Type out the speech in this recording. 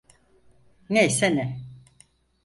Neyse ne.